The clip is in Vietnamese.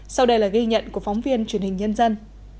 sau đây là ghi nhận của phóng viên truyền hình nhân dân